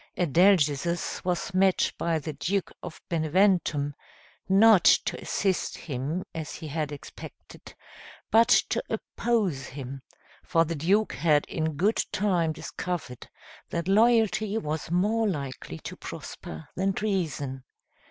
Adalgisus was met by the Duke of Beneventum, not to assist him, as he had expected, but to oppose him, for the duke had in good time discovered that loyalty was more likely to prosper than treason.